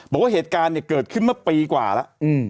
บอกว่าเหตุการณ์เนี่ยเกิดขึ้นเมื่อปีกว่าแล้ว